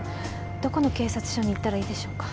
どこの警察署に行ったらいいでしょうか？